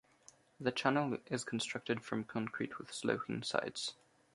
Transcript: The channel is constructed from concrete with sloping sides.